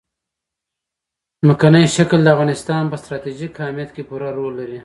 ځمکنی شکل د افغانستان په ستراتیژیک اهمیت کې پوره رول لري.